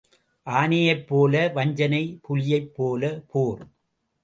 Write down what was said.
ஆனையைப் போல வஞ்சனை புலியைப் போலப் போர்.